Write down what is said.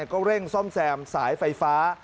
ก็เร่งซ่อมแซมสายไฟฟ้า